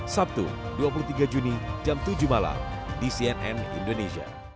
sabtu dua puluh tiga juni jam tujuh malam di cnn indonesia